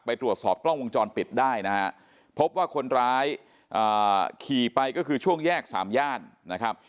ตรวจสอบกล้องวงจรปิดได้นะฮะพบว่าคนร้ายขี่ไปก็คือช่วงแยกสามย่านนะครับ